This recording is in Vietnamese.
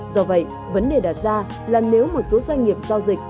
do vậy vấn đề đặt ra là nếu một số doanh nghiệp giao dịch